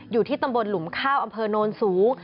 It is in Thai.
อยู่ที่ตำบลหลุมข้าวอำเภอโนนสูง